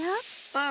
うん！